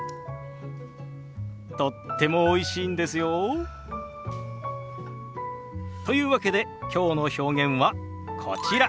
とってもおいしいんですよ。というわけできょうの表現はこちら。